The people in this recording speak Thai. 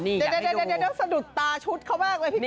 เดี๋ยวสะดุดตาชุดเขามากเลยทีนี้